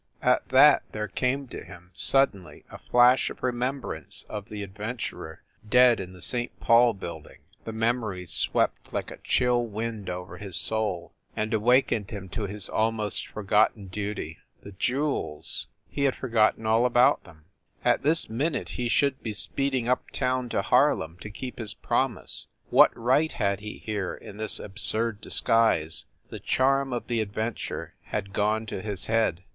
At that there came to him, suddenly, a flash of remembrance of the adventurer, dead in the St. Paul building. The memory swept like a chill wind WYCHERLEY COURT 235 over his soul and awakened him to his almost for gotten duty. The jewels! He had forgotten all about them. At this minute he should be speeding up town to Harlem, to keep his promise. What right had he here, in this absurd disguise! The charm of the adventure had gone to his head.